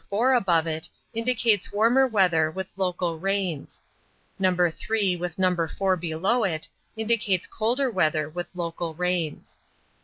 4 above it, indicates warmer weather with local rains. No. 3, with No. 4 below it, indicates colder weather with local rains.